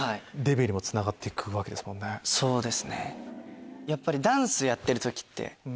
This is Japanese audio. そうですね。